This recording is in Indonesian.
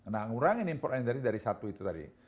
nah ngurangin import energi dari satu itu tadi